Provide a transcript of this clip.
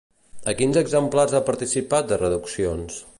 A quins exemplars ha participat de Reduccions?